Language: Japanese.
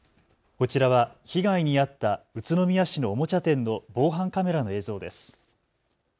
こちらは被害に遭った宇都宮市のおもちゃ店の防犯カメラの映像です。